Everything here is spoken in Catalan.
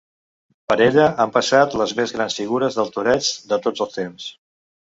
Per ella han passat les més grans figures del toreig de tots els temps.